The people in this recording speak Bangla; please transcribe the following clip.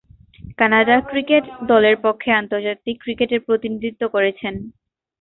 কানাডা ক্রিকেট দলের পক্ষে আন্তর্জাতিক ক্রিকেটে প্রতিনিধিত্ব করেছেন।